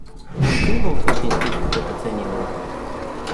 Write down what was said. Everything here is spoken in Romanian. Când vom fi cinstiți cu cetățenii europeni?